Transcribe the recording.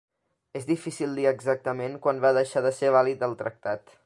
És difícil dir exactament quan va deixar de ser vàlid el tractat.